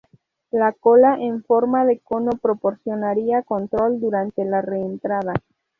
La cola en forma de cono proporcionaría control durante la reentrada.